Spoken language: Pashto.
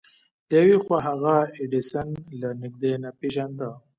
له يوې خوا هغه ايډېسن له نږدې نه پېژانده.